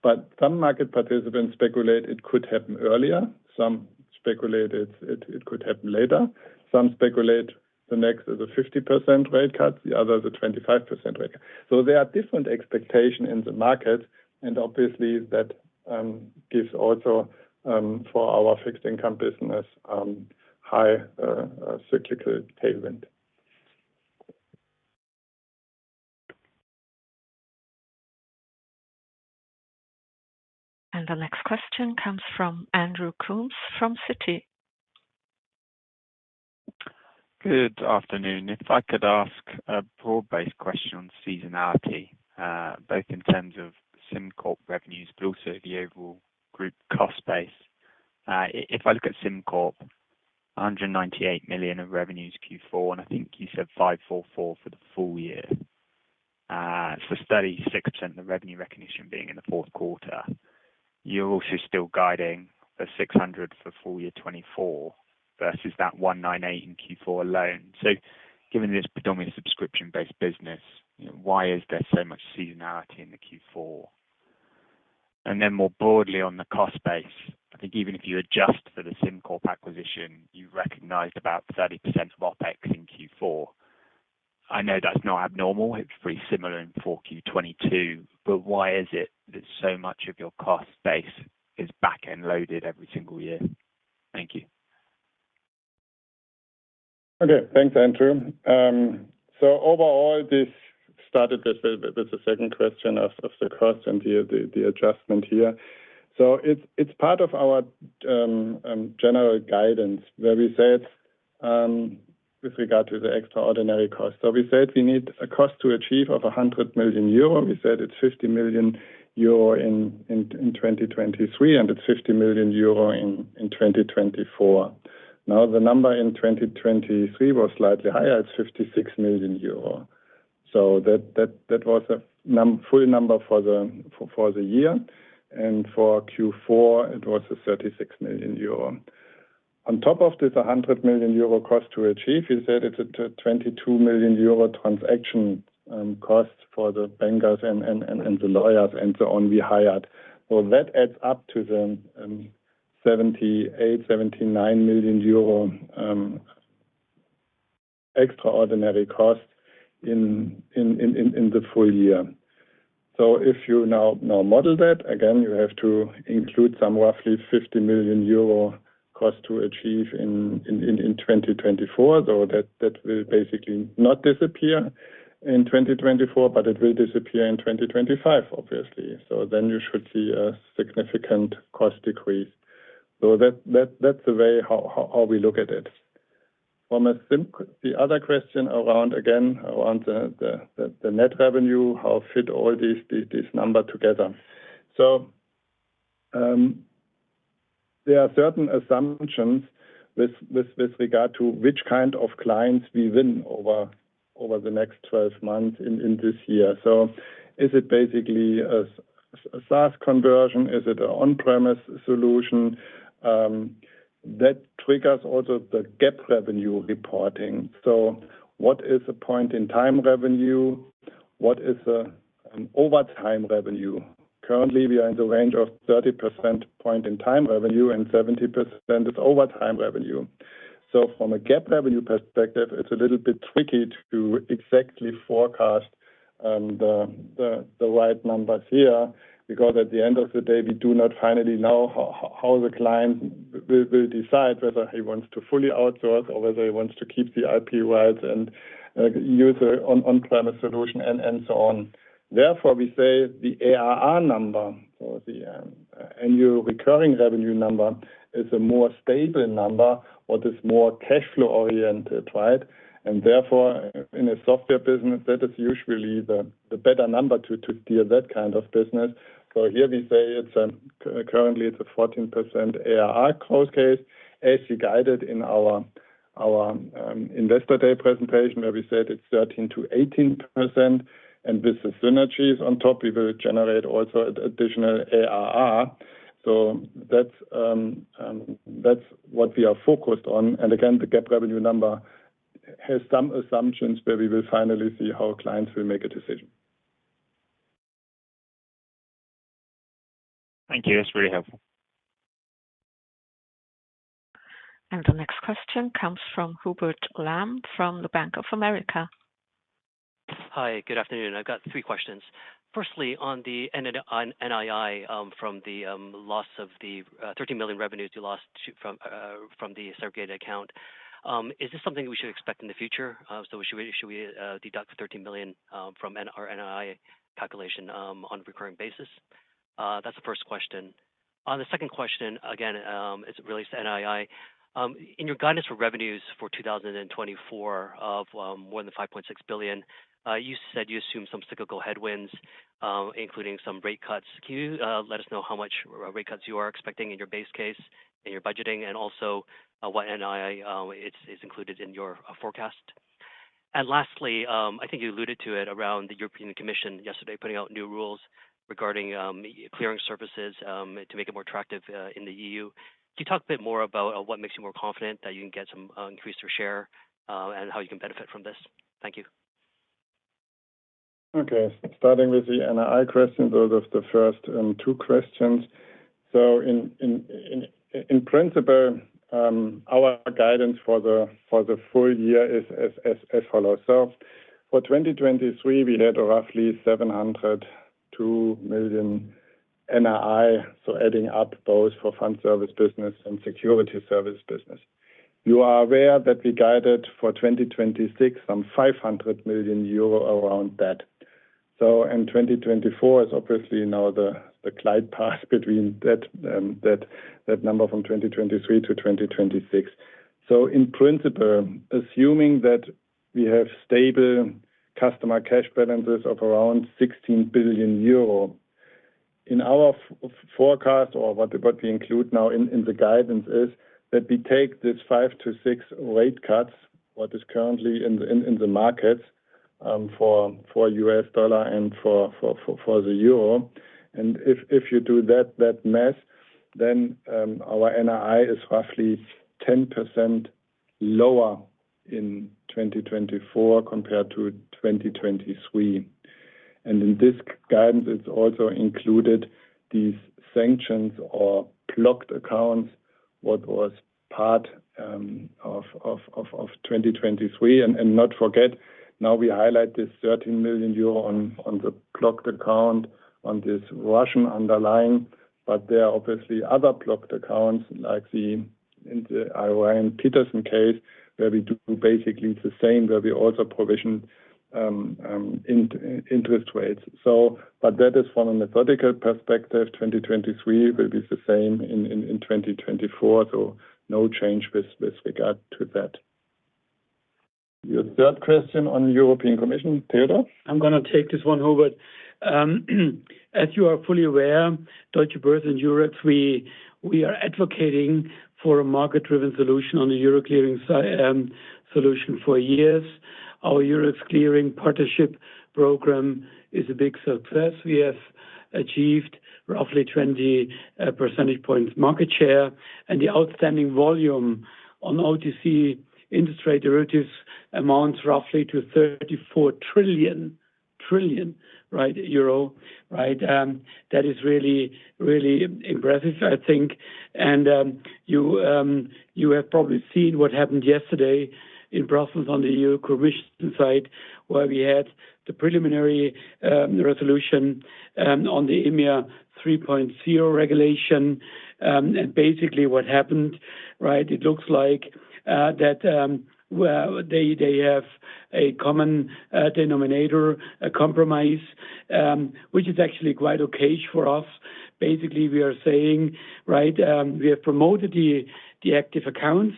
[SPEAKER 4] But some market participants speculate it could happen earlier. Some speculate it could happen later. Some speculate the next is a 50% rate cut, the other is a 25% rate cut. So there are different expectation in the market, and obviously, that gives also for our fixed income business high cyclical tailwind.
[SPEAKER 1] The next question comes from Andrew Coombs, from Citi.
[SPEAKER 10] Good afternoon. If I could ask a broad-based question on seasonality, both in terms of SimCorp revenues, but also the overall group cost base. If I look at SimCorp, 198 million of revenues Q4, and I think you said 544 for the full year. So 36% of the revenue recognition being in the Q4, you're also still guiding 600 for full year 2024 versus that 198 in Q4 alone. So given this predominant subscription-based business, you know, why is there so much seasonality in the Q4? And then more broadly, on the cost base, I think even if you adjust for the SimCorp acquisition, you recognized about 30% of OpEx in Q4. I know that's not abnormal. It's pretty similar in 4Q2022, but why is it that so much of your cost base is back-end loaded every single year? Thank you.
[SPEAKER 4] Okay. Thanks, Andrew. So overall, this started as a second question of the cost and the adjustment here. So it's part of our general guidance where we said, with regard to the extraordinary cost. So we said we need a cost to achieve of 100 million euro. We said it's 50 million euro in 2023, and it's 50 million euro in 2024. Now, the number in 2023 was slightly higher. It's 56 million euro. So that was a full number for the year. And for Q4, it was 36 million euro. On top of this, a 100 million euro cost to achieve, we said it's a 22 million euro transaction cost for the bankers and the lawyers and so on, we hired. So that adds up to the 78-79 million EUR extraordinary cost in the full year. So if you model that, again, you have to include some roughly 50 million euro cost to achieve in 2024. So that will basically not disappear in 2024, but it will disappear in 2025, obviously. So then you should see a significant cost decrease. So that's the way how we look at it. From a Sim-- the other question around the net revenue, how fit all these number together? So there are certain assumptions with regard to which kind of clients we win over the next 12 months in this year. So is it basically a SaaS conversion? Is it an on-premise solution that triggers also the GAAP revenue reporting? So what is a point-in-time revenue? What is an over time revenue? Currently, we are in the range of 30% point-in-time revenue and 70% is over time revenue. So from a GAAP revenue perspective, it's a little bit tricky to exactly forecast the right numbers here, because at the end of the day, we do not finally know how the client will decide whether he wants to fully outsource or whether he wants to keep the IP rights and use an on-premise solution and so on. Therefore, we say the ARR number, or the annual recurring revenue number, is a more stable number or is more cash flow-oriented, right? Therefore, in a software business, that is usually the better number to steer that kind of business. So here we say it's currently a 14% ARR close case, as we guided in our investor day presentation, where we said it's 13%-18%, and with the synergies on top, we will generate also additional ARR. So that's what we are focused on. And again, the GAAP revenue number has some assumptions where we will finally see how clients will make a decision.
[SPEAKER 10] Thank you. That's very helpful.
[SPEAKER 1] The next question comes from Hubert Lam, from the Bank of America.
[SPEAKER 11] Hi, good afternoon. I've got three questions. Firstly, on the NII, from the loss of the 13 million revenues you lost to from the segregated account, is this something we should expect in the future? So should we deduct the 13 million from our NII calculation on a recurring basis? That's the first question. On the second question, again, it's related to NII. In your guidance for revenues for 2024 of more than 5.6 billion, you said you assume some cyclical headwinds, including some rate cuts. Can you let us know how much rate cuts you are expecting in your base case, in your budgeting, and also what NII is included in your forecast? Lastly, I think you alluded to it around the European Commission yesterday, putting out new rules regarding EU clearing services, to make it more attractive in the EU. Can you talk a bit more about what makes you more confident that you can get some increased share, and how you can benefit from this? Thank you.
[SPEAKER 4] Okay. Starting with the NII question, those are the first two questions. So in principle, our guidance for the full year is as follow. So for 2023, we had roughly 702 million NII, so adding up both for fund service business and security service business. You are aware that we guided for 2026, some 500 million euro around that. So in 2024 is obviously now the glide path between that, that number from 2023 to 2026. So in principle, assuming that we have stable customer cash balances of around 16 billion euro... In our forecast or what we include now in the guidance is that we take this 5-6 rate cuts, what is currently in the market for the U.S. dollar and for the euro. And if you do that math, then our NII is roughly 10% lower in 2024 compared to 2023. And in this guidance, it's also included these sanctions or blocked accounts, what was part of 2023. And not forget, now we highlight this 13 million euro on the blocked account on this Russian underlying, but there are obviously other blocked accounts, like in the Iran Peterson case, where we do basically the same, where we also provision interest rates. But that is from a methodical perspective, 2023 will be the same in 2024, so no change with regard to that. Your third question on European Commission, Theodor?
[SPEAKER 3] I'm going to take this one, Hubert. As you are fully aware, Deutsche Börse and Eurex, we are advocating for a market-driven solution on the Euro clearing side for years. Our Eurex clearing partnership program is a big success. We have achieved roughly 20 percentage points market share, and the outstanding volume on OTC industry derivatives amounts roughly to 34 trillion. Right? That is really, really impressive, I think. You have probably seen what happened yesterday in Brussels on the EU Commission side, where we had the preliminary resolution on the EMIR 3.0 regulation. And basically what happened, right, it looks like that well, they have a common denominator, a compromise, which is actually quite okay for us. Basically, we are saying, right, we have promoted the active accounts,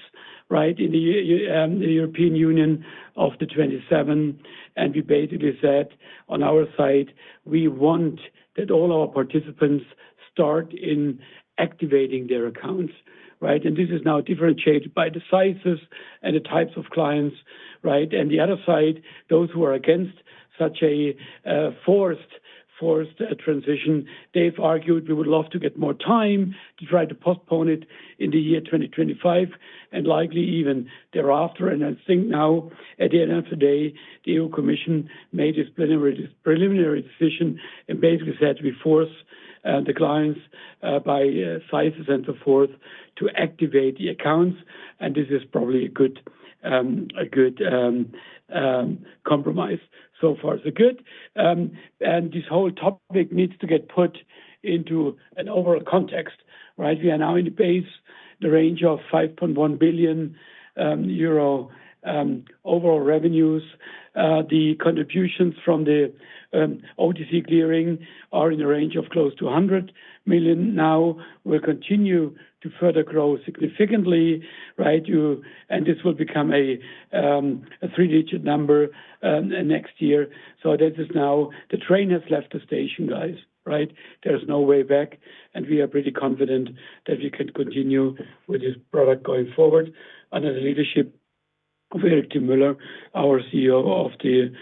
[SPEAKER 3] right, in the EU, the European Union of the 27. And we basically said on our side, we want that all our participants start in activating their accounts, right? And this is now differentiated by the sizes and the types of clients, right? And the other side, those who are against such a forced transition, they've argued we would love to get more time to try to postpone it in the year 2025, and likely even thereafter. And I think now, at the end of the day, the EU Commission made a preliminary decision and basically said we force the clients by sizes and so forth, to activate the accounts. And this is probably a good compromise. So far, so good. This whole topic needs to get put into an overall context, right? We are now in the base, the range of 5.1 billion euro overall revenues. The contributions from the OTC Clearing are in the range of close to 100 million now, will continue to further grow significantly, right? This will become a three-digit number next year. So this is now the train has left the station, guys, right? There's no way back, and we are pretty confident that we can continue with this product going forward under the leadership of Erik Müller, our CEO of the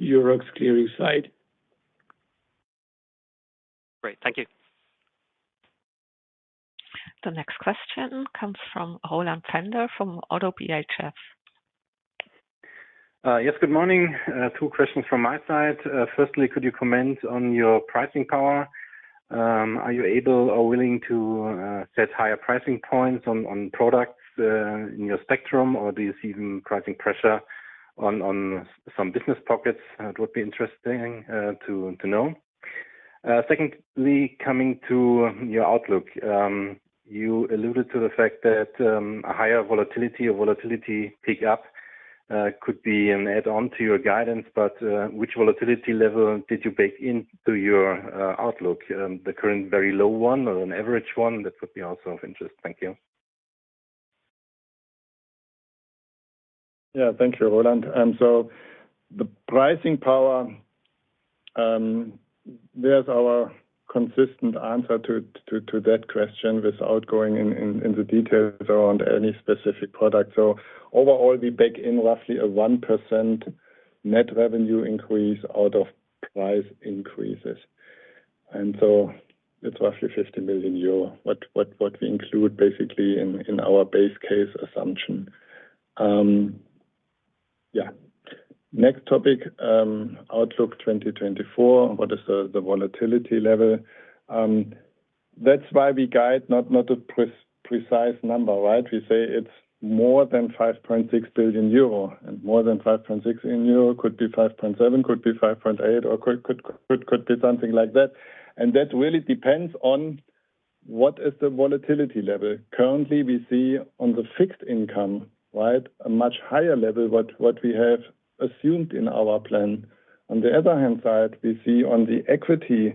[SPEAKER 3] Eurex Clearing side.
[SPEAKER 11] Great. Thank you.
[SPEAKER 1] The next question comes from Roland Pfänder from ODDO BHF.
[SPEAKER 12] Yes, good morning. Two questions from my side. Firstly, could you comment on your pricing power? Are you able or willing to set higher pricing points on products in your spectrum, or do you see even pricing pressure on some business pockets? It would be interesting to know. Secondly, coming to your outlook, you alluded to the fact that a higher volatility or volatility pick-up could be an add-on to your guidance, but which volatility level did you bake into your outlook? The current very low one or an average one? That would be also of interest. Thank you.
[SPEAKER 4] Yeah. Thank you, Roland. So the pricing power, there's our consistent answer to that question, without going in the details around any specific product. So overall, we bake in roughly a 1% net revenue increase out of price increases. And so it's roughly 50 million euro. What we include basically in our base case assumption. Yeah. Next topic, outlook 2024. What is the volatility level? That's why we guide not a precise number, right? We say it's more than 5.6 billion euro, and more than 5.6 billion euro could be 5.7 billion, could be 5.8 billion, or could be something like that. And that really depends on what is the volatility level. Currently, we see on the fixed income, right, a much higher level what we have assumed in our plan. On the other hand side, we see on the equity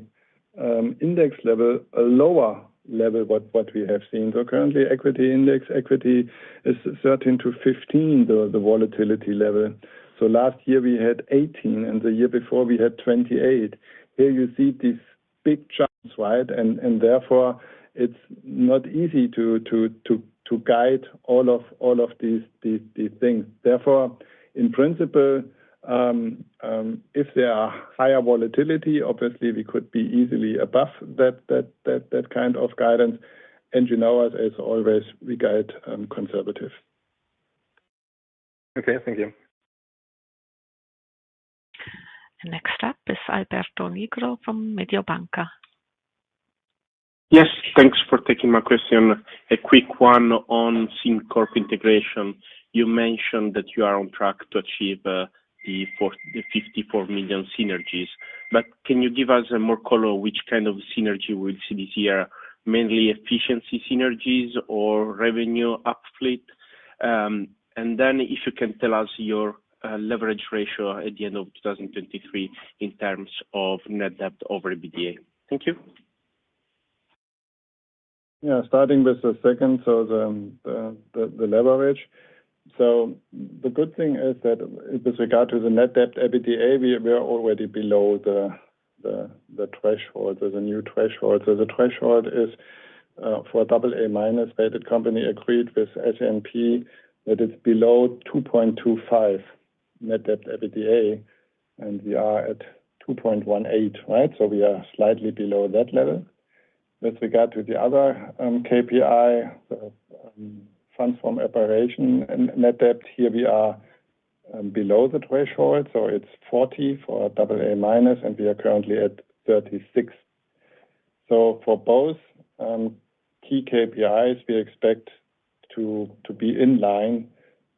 [SPEAKER 4] index level, a lower level what we have seen. So currently, equity index, equity is 13-15, the volatility level. So last year we had 18, and the year before we had 28. Here you see these big jumps, right? And therefore, it's not easy to guide all of these things. Therefore, in principle, if there are higher volatility, obviously we could be easily above that kind of guidance. And you know us, as always, we guide conservative.
[SPEAKER 1] Okay, thank you. The next up is Alberto Nigro from Mediobanca.
[SPEAKER 13] Yes, thanks for taking my question. A quick one on SimCorp integration. You mentioned that you are on track to achieve the 54 million synergies, but can you give us more color, which kind of synergy we'll see this year? Mainly efficiency synergies or revenue uplift. And then if you can tell us your leverage ratio at the end of 2023 in terms of net debt over EBITDA. Thank you.
[SPEAKER 4] Yeah, starting with the second, so the leverage. So the good thing is that with regard to the net debt, EBITDA, we are already below the threshold, the new threshold. So the threshold is for double A minus rated company agreed with S&P, that is below 2.25 net debt EBITDA, and we are at 2.18, right? So we are slightly below that level. With regard to the other KPI, so funds from operation and net debt, here we are below the threshold, so it's 40 for double A minus, and we are currently at 36. So for both key KPIs, we expect to be in line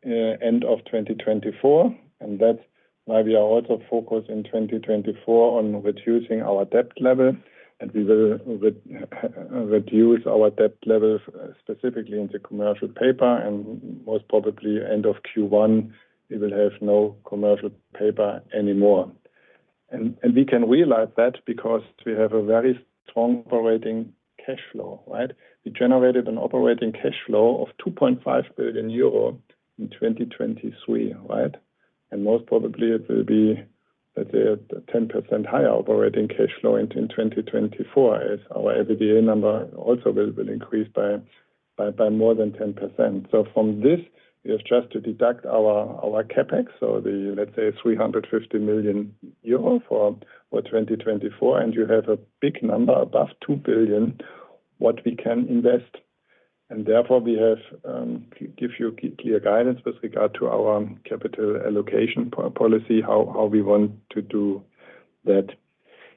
[SPEAKER 4] end of 2024, and that's why we are also focused in 2024 on reducing our debt level, and we will reduce our debt level, specifically in the commercial paper, and most probably end of Q1, we will have no commercial paper anymore. And we can realize that because we have a very strong operating cash flow, right? We generated an operating cash flow of 2.5 billion euro in 2023, right? And most probably it will be, let's say, a 10% higher operating cash flow in 2024, as our EBITDA number also will be increased by more than 10%. From this, we have just to deduct our CapEx, so the, let's say, 350 million euro for 2024, and you have a big number, above 2 billion, what we can invest. Therefore, we have give you clear guidance with regard to our capital allocation policy, how we want to do that.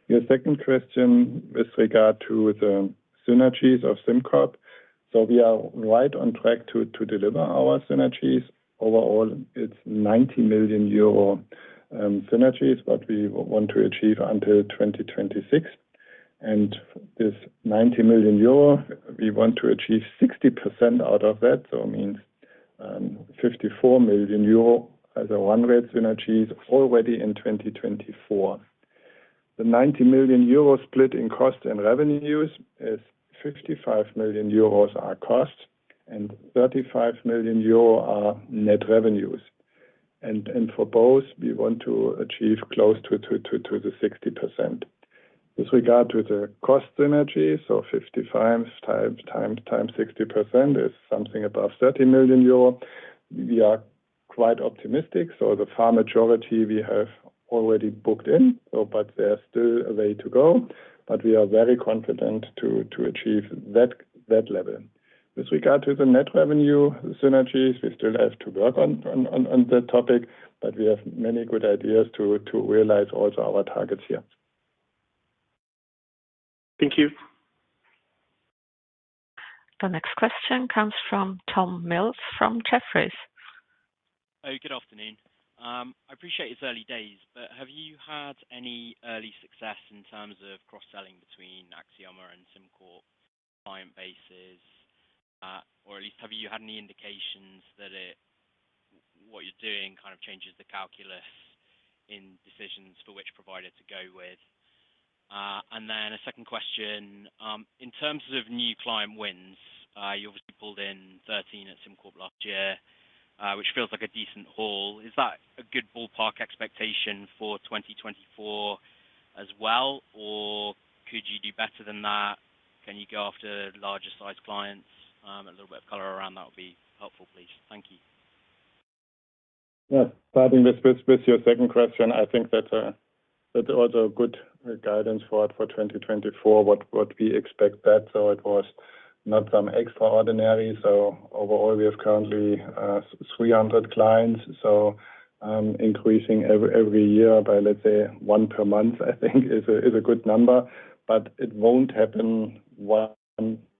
[SPEAKER 4] Your second question with regard to the synergies of SimCorp. We are right on track to deliver our synergies. Overall, it's 90 million euro synergies, what we want to achieve until 2026. And this 90 million euro, we want to achieve 60% out of that. So it means, 54 million euro as a one-way synergies already in 2024. The 90 million euro split in cost and revenues is 55 million euros are costs, and 35 million euro are net revenues. For both, we want to achieve close to the 60%. With regard to the cost synergies, 55 × 60% is something above 30 million euro. We are quite optimistic, the far majority we have already booked in, but there's still a way to go, but we are very confident to achieve that level. With regard to the net revenue synergies, we still have to work on that topic, but we have many good ideas to realize also our targets here.
[SPEAKER 13] Thank you.
[SPEAKER 1] The next question comes from Tom Mills, from Jefferies.
[SPEAKER 14] Oh, good afternoon. I appreciate it's early days, but have you had any early success in terms of cross-selling between Axioma and SimCorp client bases? Or at least have you had any indications that it, what you're doing, kind of, changes the calculus in decisions for which provider to go with? And then a second question, in terms of new client wins, you obviously pulled in 13 at SimCorp last year, which feels like a decent haul. Is that a good ballpark expectation for 2024 as well, or could you do better than that? Can you go after larger-sized clients? A little bit of color around that would be helpful, please. Thank you.
[SPEAKER 4] Yeah. Starting with your second question, I think that that was a good guidance for 2024, what we expect that. So it was not some extraordinary. So overall, we have currently 300 clients, so, increasing every year by, let's say, 1 per month, I think is a good number, but it won't happen 1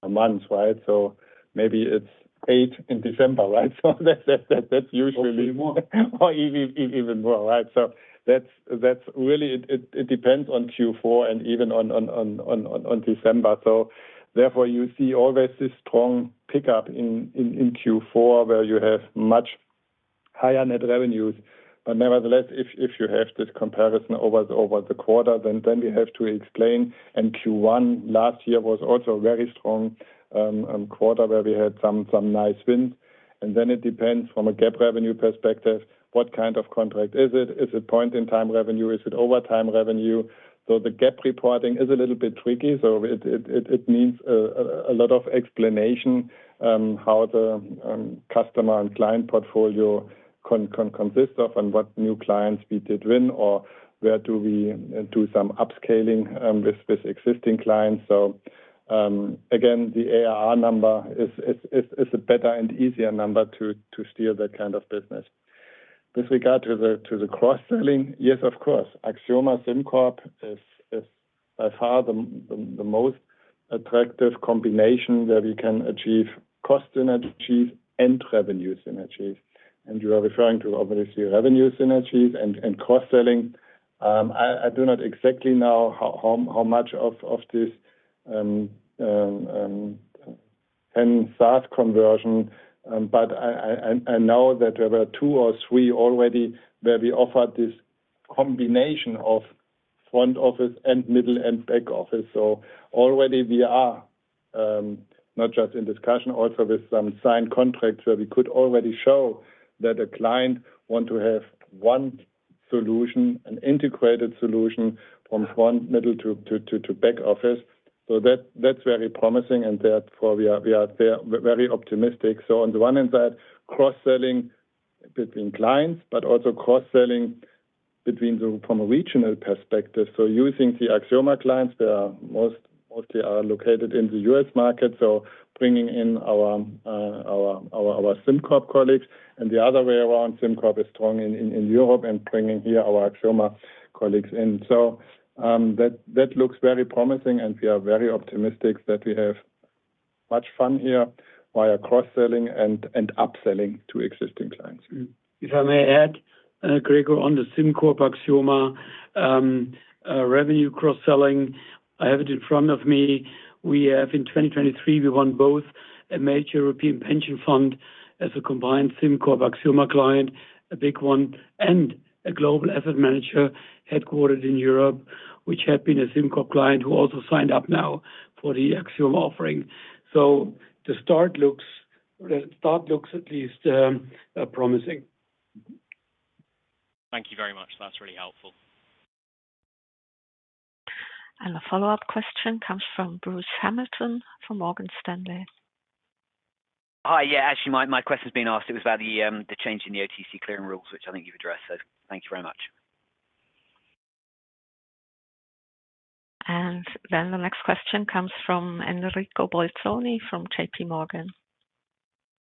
[SPEAKER 4] a month, right? So maybe it's 8 in December, right? So that, that's usually-Or even more. Or even more, right? So that's really it. It depends on Q4 and even on December. So therefore, you see always this strong pickup in Q4, where you have much higher net revenues. But nevertheless, if you have this comparison over the quarter, then we have to explain. And Q1 last year was also a very strong quarter where we had some nice wins. And then it depends from a GAAP revenue perspective, what kind of contract is it? Is it point in time revenue? Is it over time revenue? So the GAAP reporting is a little bit tricky, so it needs a lot of explanation how the customer and client portfolio can consist of, and what new clients we did win, or where we do some upscaling with existing clients. So again, the ARR number is a better and easier number to steer that kind of business. With regard to the cross-selling, yes, of course, Axioma SimCorp is by far the most attractive combination where we can achieve cost synergies and revenue synergies. And you are referring to, obviously, revenue synergies and cross-selling. I do not exactly know how much of this SaaS conversion, but I know that there were two or three already where we offered this combination of front office and middle and back office. So already we are not just in discussion, also with some signed contracts, where we could already show that a client want to have one solution, an integrated solution from front, middle to back office. So that, that's very promising, and therefore we are very optimistic. So on the one hand side, cross-selling between clients, but also cross-selling between the from a regional perspective. So using the Axioma clients, they are mostly located in the U.S. market, so bringing in our SimCorp colleagues. The other way around, SimCorp is strong in Europe and bringing here our Axioma colleagues in. So, that looks very promising, and we are very optimistic that we have much fun here via cross-selling and upselling to existing clients.
[SPEAKER 3] If I may add, Gregor, on the SimCorp Axioma, revenue cross-selling, I have it in front of me. We have in 2023, we won both a major European pension fund as a combined SimCorp Axioma client, a big one, and a global asset manager headquartered in Europe, which had been a SimCorp client, who also signed up now for the Axioma offering. So the start looks, the start looks at least, promising.
[SPEAKER 1] Thank you very much. That's really helpful. The follow-up question comes from Bruce Hamilton from Morgan Stanley.
[SPEAKER 7] Hi. Yeah, actually, my question's been asked. It was about the change in the OTC clearing rules, which I think you've addressed. So thank you very much.
[SPEAKER 1] The next question comes from Enrico Bolzoni from JP Morgan.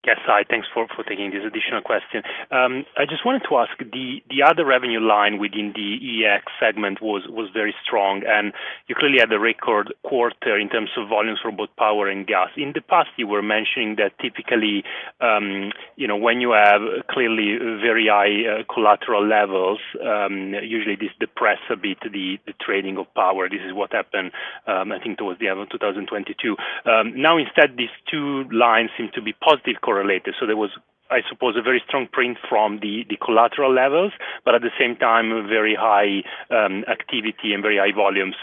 [SPEAKER 9] Yes. Hi, thanks for taking this additional question. I just wanted to ask, the other revenue line within the EEX segment was very strong, and you clearly had the record quarter in terms of volumes for both power and gas. In the past, you were mentioning that typically, you know, when you have clearly very high collateral levels, usually this depress a bit the trading of power. This is what happened, I think toward the end of 2022. Now, instead, these two lines seem to be positive correlated. So there was, I suppose, a very strong print from the collateral levels, but at the same time, a very high activity and very high volumes.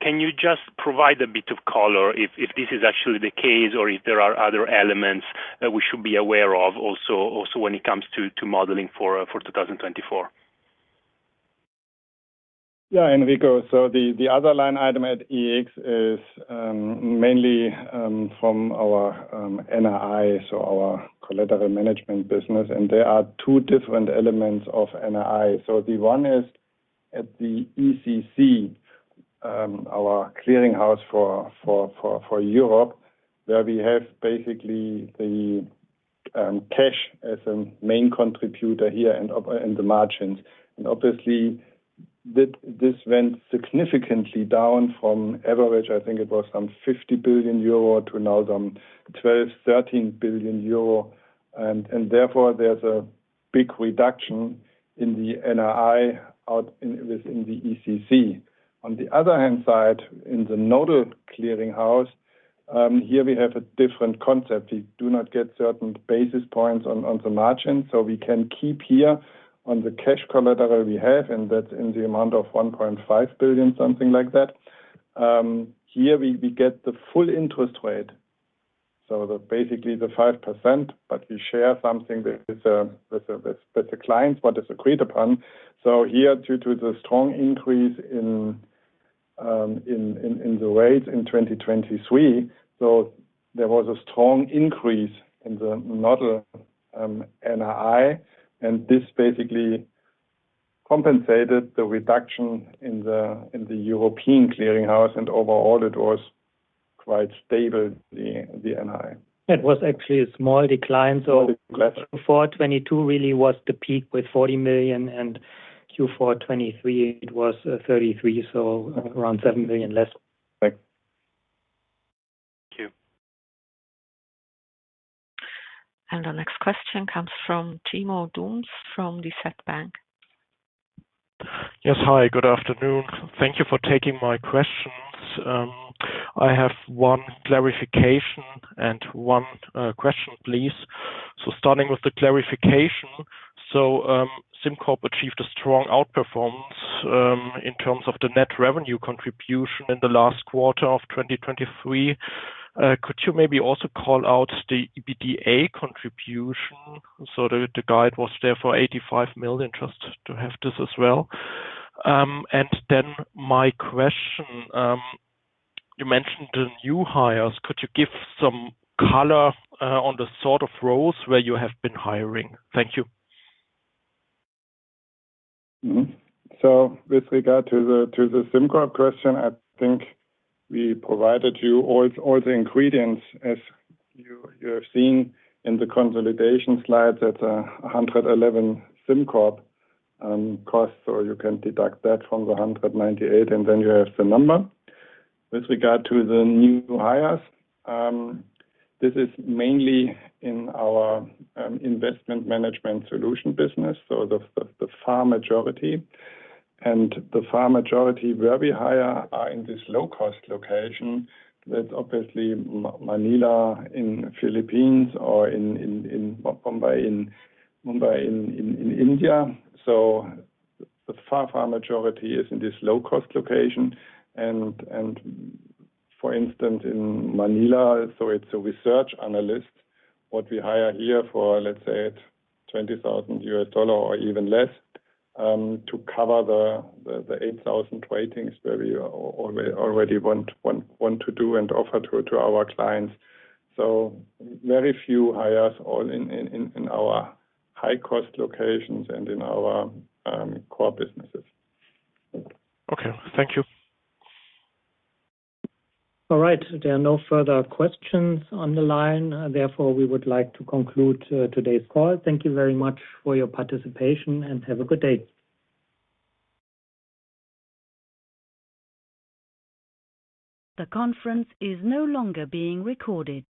[SPEAKER 9] Can you just provide a bit of color if this is actually the case, or if there are other elements that we should be aware of also when it comes to modeling for 2024?
[SPEAKER 4] Yeah, Enrico. So the other line item at EEX is mainly from our NII, so our collateral management business, and there are two different elements of NII. So the one is at the ECC, our clearinghouse for Europe, where we have basically the cash as a main contributor here and up in the margins. And obviously, this went significantly down from average, I think it was some 50 billion euro to now some 12-13 billion euro. And therefore, there's a big reduction in the NII within the ECC. On the other hand side, in the Eurex Clearing, here we have a different concept. We do not get certain basis points on the margin, so we can keep here on the cash collateral we have, and that's in the amount of 1.5 billion, something like that. Here we get the full interest rate, so basically the 5%, but we share something with the clients, what is agreed upon. So here, due to the strong increase in the rates in 2023, so there was a strong increase in the notable NII, and this basically compensated the reduction in the European clearing house, and overall it was quite stable, the NII.
[SPEAKER 3] It was actually a small decline.
[SPEAKER 4] Yes.
[SPEAKER 3] So Q4 2022 really was the peak with 40 million, and Q4 2023, it was, 33 million, so around 7 million less.
[SPEAKER 4] Right.
[SPEAKER 9] Thank you.
[SPEAKER 1] Our next question comes from Timo Dums from DZ Bank.
[SPEAKER 15] Yes. Hi, good afternoon. Thank you for taking my questions. I have one clarification and one question, please. So starting with the clarification. So, SimCorp achieved a strong outperformance in terms of the net revenue contribution in the last quarter of 2023. Could you maybe also call out the EBITDA contribution? So the guide was there for 85 million, just to have this as well. And then my question, you mentioned the new hires. Could you give some color on the sort of roles where you have been hiring? Thank you.
[SPEAKER 4] Mm-hmm. So with regard to the, to the SimCorp question, I think we provided you all the ingredients. As you, you have seen in the consolidation slides, that, 111 SimCorp costs, or you can deduct that from the 198, and then you have the number. With regard to the new hires, this is mainly in our, investment management solution business, so the far majority. And the far majority, where we hire, are in this low-cost location. That's obviously Manila, Philippines or in Mumbai, India. So the far majority is in this low-cost location. And for instance, in Manila, so it's a research analyst. What we hire here for, let's say, $20,000 or even less, to cover the 8,000 ratings where we already want to do and offer to our clients. So very few hires all in our high-cost locations and in our core businesses.
[SPEAKER 15] Okay. Thank you.
[SPEAKER 2] All right. There are no further questions on the line, and therefore, we would like to conclude today's call. Thank you very much for your participation, and have a good day.
[SPEAKER 1] The conference is no longer being recorded.